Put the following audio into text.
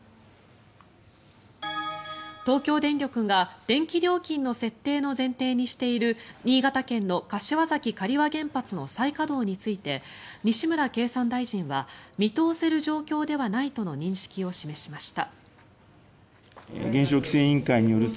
東京電力が電気料金の設定の前提にしている新潟県の柏崎刈羽原発の再稼働について西村経産大臣は見通せる状況ではないとの認識を示しました。